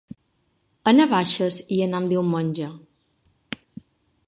A Navaixes hi anem diumenge.